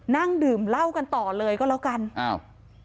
นั่งดื่มเหล้ากันต่อเลยก็แล้วกันอ้าว